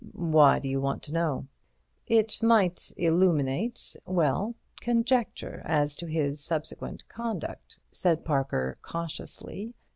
"Why do you want to know?" "It might illuminate—well, conjecture as to his subsequent conduct," said Parker, cautiously.